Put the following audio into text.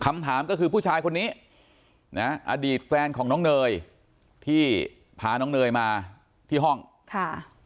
คำถามก็คือผู้ชายคนนี้นะอดีตแฟนของน้องเนยที่พาน้องเนยมาที่ห้องค่ะ